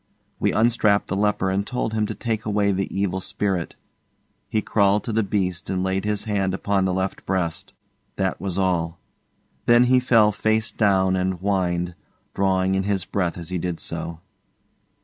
We unstrapped the leper and told him to take away the evil spirit. He crawled to the beast and laid his hand upon the left breast. That was all. Then he fell face down and whined, drawing in his breath as he did so.